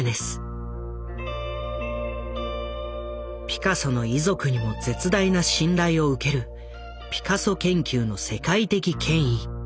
ピカソの遺族にも絶大な信頼を受けるピカソ研究の世界的権威。